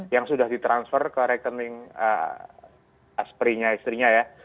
yang sudah di transfer ke rekening asprinya istrinya ya